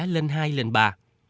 lên hai lên ba